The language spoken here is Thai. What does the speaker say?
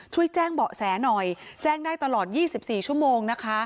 ช่วยแจ้งเบาะแสหน่อยแจ้งได้ตลอด๒๔ชั่วโมงนะคะ